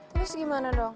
terus gimana dong